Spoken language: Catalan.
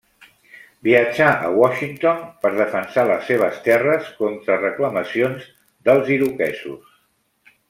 Viatjà a Washington per defensar les seves terres contra reclamacions dels iroquesos.